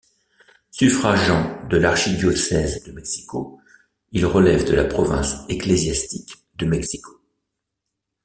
Suffragant de l'archidiocèse de Mexico, il relève de la province ecclésiastique de Mexico.